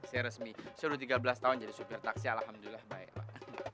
saya resmi sudah tiga belas tahun jadi supir taksi alhamdulillah baik pak